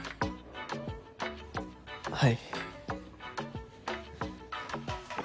はい。